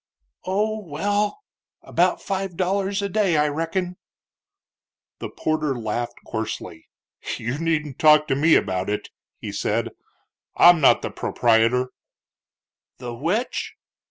"Oh, well, about five dollars a day, I reckin." The porter laughed coarsely. "You needn't talk to me about it," he said; "I'm not the proprietor." "The which?"